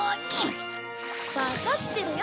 わかってるよ。